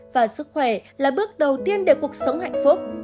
và sức khỏe là bước đầu tiên để cuộc sống hạnh phúc